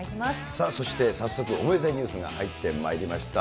さあ、そして早速、おめでたいニュースが入ってまいりました。